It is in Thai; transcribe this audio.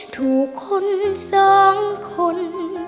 ถูกคนสองคน